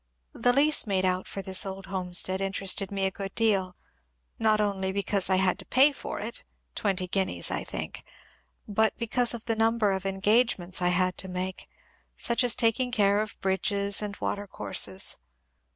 The lease made out for this old homestead interested me a good deal, not only because I had to pay for it (twenty guineas, I think), but because of the number of engagements I had to make, such as taking care of bridges and water courses.